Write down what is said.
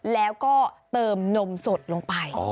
แล้วก็เติมนมสดลงไป